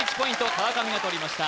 川上がとりました